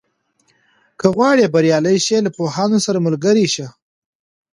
که غواړې بریالی شې، له پوهانو سره ملګری شه.